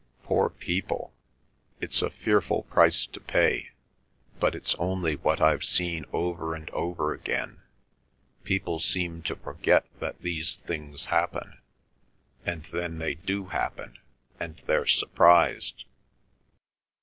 Poor people! It's a fearful price to pay. But it's only what I've seen over and over again—people seem to forget that these things happen, and then they do happen, and they're surprised."